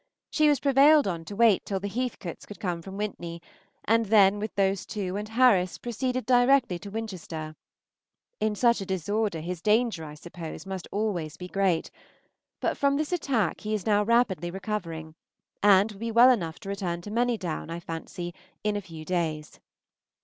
She was prevailed on to wait till the Heathcotes could come from Wintney, and then with those two and Harris proceeded directly to Winchester. In such a disorder his danger, I suppose, must always be great; but from this attack he is now rapidly recovering, and will be well enough to return to Manydown, I fancy, in a few days.